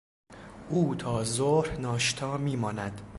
او تا ظهر ناشتا میماند.